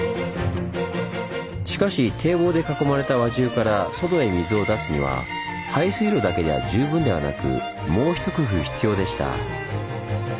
しかし堤防で囲まれた輪中から外へ水を出すには排水路だけでは十分ではなくもう一工夫必要でした。